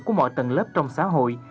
của mọi tầng lớp trong xã hội